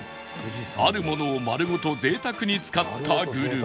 あるものを丸ごと贅沢に使ったグルメ